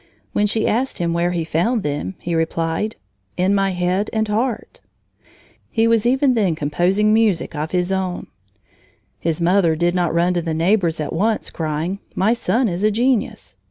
When she asked him where he found them, he replied: "In my head and heart." He was even then composing music of his own. His mother did not run to the neighbors at once, crying "My son is a genius."